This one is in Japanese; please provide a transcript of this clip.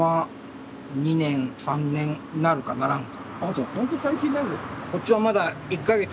じゃあほんと最近なんですね。